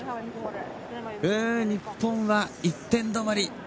日本は１点止まり。